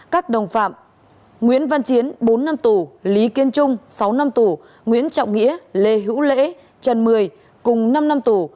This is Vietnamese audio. các đồng phạm nguyễn văn chiến bốn năm tù lý kiên trung sáu năm tù nguyễn trọng nghĩa lê hữu lễ trần một mươi cùng năm năm tù